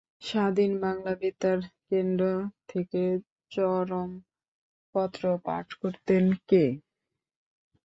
স্বাধীন বাংলা বেতার কেন্দ্র থেকে চরমপত্র পাঠ করতেন কে?